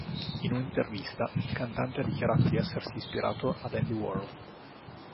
In un'intervista, il cantante ha dichiarato di essersi ispirato a Andy Warhol.